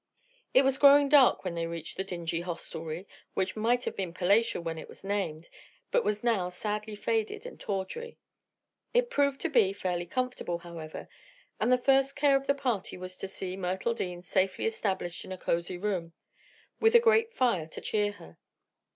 It was growing dark when they reached the dingy hostelry, which might have been palatial when it was named but was now sadly faded and tawdry. It proved to be fairly comfortable, however, and the first care of the party was to see Myrtle Dean safely established in a cosy room, with a grate fire to cheer her.